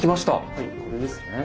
はいこれですね。